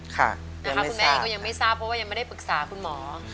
คุณแม่เองก็ยังไม่ทราบเพราะว่ายังไม่ได้ปรึกษาคุณหมอ